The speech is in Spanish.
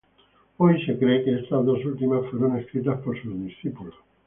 Hoy se cree que estas dos últimas fueron escritas por sus discípulos.